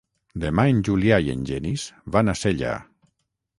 Demà en Julià i en Genís van a Sella.